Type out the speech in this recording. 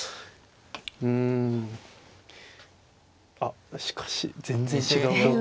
うんあっしかし全然違う方向に。